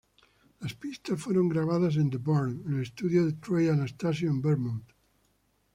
Las pistas fueron grabadas en The Barn, el estudio de Trey Anastasio en Vermont.